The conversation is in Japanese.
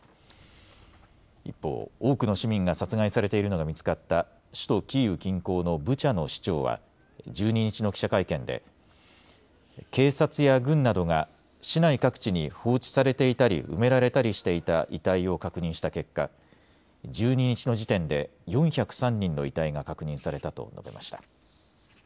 一方、多くの市民が殺害されているのが見つかった首都キーウ近郊のブチャの市長は１２日の記者会見で警察や軍などが市内各地に放置されていたり埋められたりしていた遺体を確認した結果、１２日の時点で４０３人の遺体が確認されたと述べました。